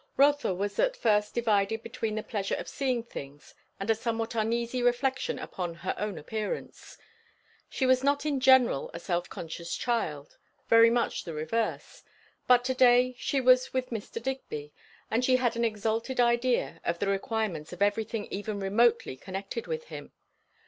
Rotha was at first divided between the pleasure of seeing things, and a somewhat uneasy reflection upon her own appearance. She was not in general a self conscious child; very much the reverse; but to day she was with Mr. Digby, and she had an exalted idea of the requirements of everything even remotely connected with him.